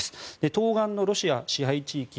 東岸のロシア支配地域